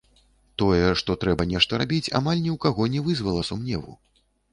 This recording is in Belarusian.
Тое, што трэба нешта рабіць, амаль ні у каго не вызвала сумневу.